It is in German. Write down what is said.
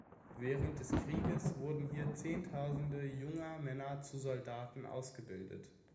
Während des Krieges wurden hier zehntausende junger Männer zu Soldaten ausgebildet.